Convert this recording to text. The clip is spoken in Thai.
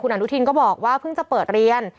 อนุทินก็บอกว่าเพิ่งจะเปิดเรียน